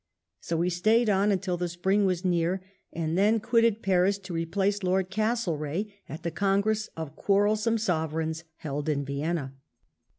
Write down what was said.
So be stayed on until the spring was near, and then quitted Paris, to replace Lord Castlerea^ at the congress of quarrekome sovereigns held in Vienna.